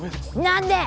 何で！